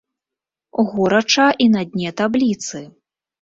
Горача і на дне табліцы.